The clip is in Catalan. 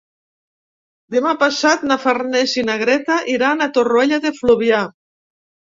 Demà passat na Farners i na Greta iran a Torroella de Fluvià.